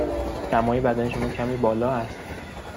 دمای بدن شما کمی بالا است.